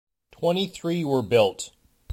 Twenty-three were built.